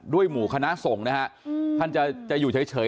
ด้วยหมู่คณะสงฯน่ะท่านจะอยู่เฉย